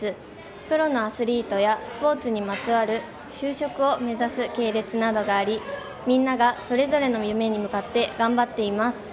プロのアスリートやスポーツにまつわる就職を目指す系列などがありみんながそれぞれの夢に向かって頑張っています。